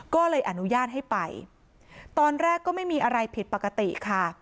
ก็เลยอนุญาตให้ไปตอนแรกก็ไม่มีอะไรผิดปกติค่ะ